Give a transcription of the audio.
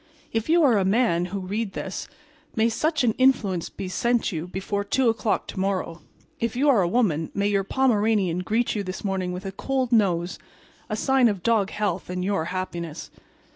If you are a man who read this, may such an influence be sent you before 2 o'clock to morrow; if you are a woman, may your Pomeranian greet you this morning with a cold nose—a sign of doghealth and your happiness.